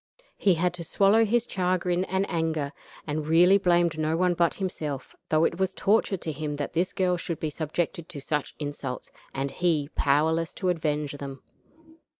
He had to swallow his chagrin and anger, and really blamed no one but himself, though it was torture to him that this girl should be subjected to such insults, and he powerless to avenge them.